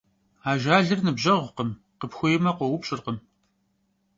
Ajjalır nıbjeğukhım, khıpxuêyme, khoupş'ırkhım.